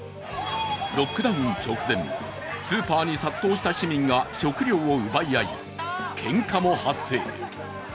ロックダウン直前スーパーに殺到した市民が食料を奪い合いけんかも発生。